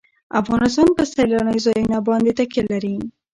افغانستان په سیلانی ځایونه باندې تکیه لري.